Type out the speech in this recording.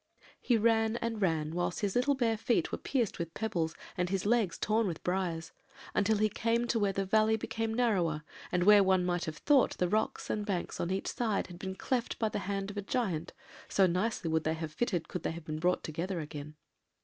"He ran and ran, whilst his little bare feet were pierced with pebbles, and his legs torn with briars, until he came to where the valley became narrower, and where one might have thought the rocks and banks on each side had been cleft by the hand of a giant, so nicely would they have fitted could they have been brought together again.